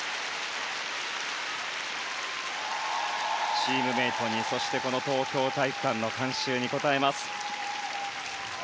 チームメートに、そして東京体育館の観衆に応えます。